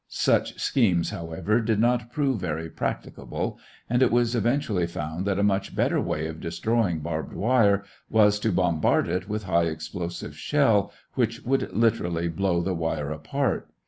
Such schemes, however, did not prove very practicable, and it was eventually found that a much better way of destroying barbed wire was to bombard it with high explosive shell, which would literally blow the wire apart.